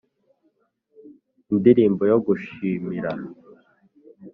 Indirimbo yo gushimira